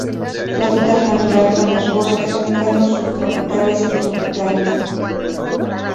Su hábitat natural son los bosques húmedos subtropicales o tropicales.